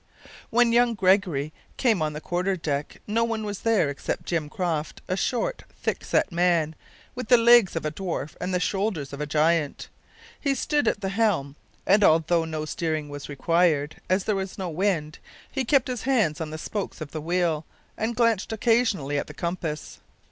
When young Gregory came on the quarter deck, no one was there except Jim Croft, a short, thick set man, with the legs of a dwarf and the shoulders of a giant. He stood at the helm, and although no steering was required, as there was no wind, he kept his hands on the spokes of the wheel, and glanced occasionally at the compass.